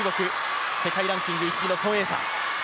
世界ランキング１位の孫エイ莎。